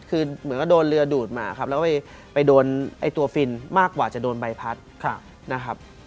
คือเหมือนกับโดนเรือดูดมาครับแล้วก็ไปโดนตัวฟินมากกว่าจะโดนใบพัดนะครับ